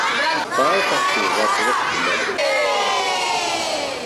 Setɛerfeɣ s lbaṭel i xedmeɣ.